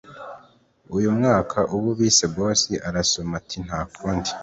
uyu mwaka uwo bise boss arasoma ati ntakundi